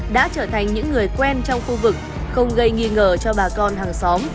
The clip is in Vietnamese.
đã trở thành những người quen trong khu vực không gây nghi ngờ cho bà con hàng xóm